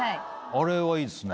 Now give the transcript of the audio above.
あれはいいですね。